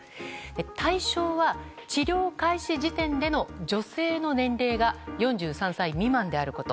対象は、治療開始時点での女性の年齢が４３歳未満であること。